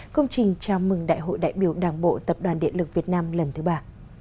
công trình chào mừng đại hội đại biểu đảng bộ tập đoàn điện lực việt nam lần thứ ba